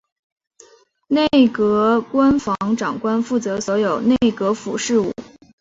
内阁官房长官负责所有内阁府事务。